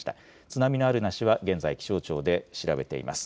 津波のあるなしは現在気象庁で調べています。